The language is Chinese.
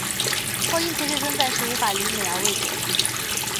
后因钱学森暂时无法离美而未果。